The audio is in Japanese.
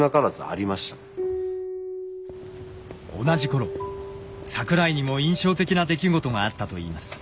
同じ頃桜井にも印象的な出来事があったといいます。